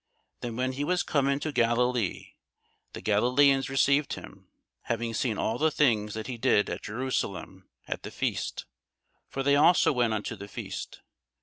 Then when he was come into Galilee, the Galilæans received him, having seen all the things that he did at Jerusalem at the feast: for they also went unto the feast.